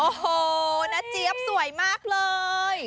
โอ้โหน้าเจี๊ยบสวยมากเลย